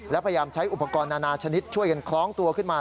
และพยายามใช้อุปกรณ์นานาชนิดช่วยกันคล้องตัวขึ้นมา